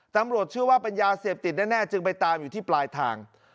ตำรวจเชื่อว่าเป็นยาเสพติดแน่จึงไปตามอยู่ที่ปลายทาง